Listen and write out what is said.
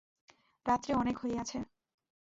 রাত্রি অনেক হইয়াছে।